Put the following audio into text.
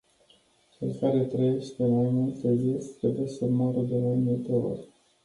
Cel care trăiește mai multe vieți trebuie să moară de mai multe ori.